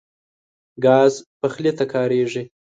ګاز پخلي ته کارېږي.